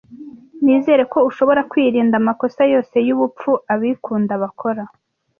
Nizere ko ushobora kwirinda amakosa yose yubupfu abikunda bakora.